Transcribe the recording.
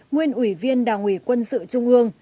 nguyên ủy viên đảng ủy quân sự trung ương